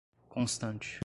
constante